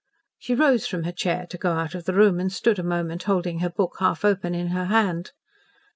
She rose from her chair to go out of the room, and stood a moment holding her book half open in her hand.